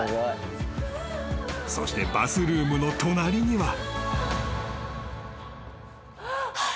［そしてバスルームの隣には］